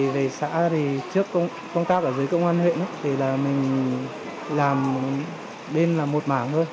về xã thì trước công tác ở dưới công an huyện thì mình làm bên là một mảng thôi